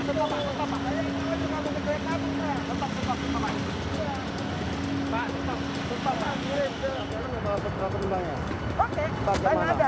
mana elemennya kenapa nggak dipakai